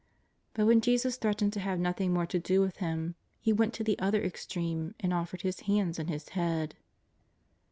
But when Jesus threatened to have nothing more to do with him, he went to the other ex treme and offered liis hands and his head.